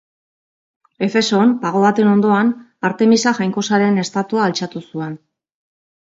Efeson, pago baten ondoan, Artemisa jainkosaren estatua altxatu zuen.